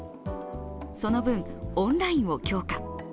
その分、オンラインを強化。